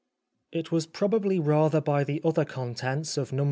It was probably rather by the other contents of No.